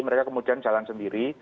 mereka kemudian jalan sendiri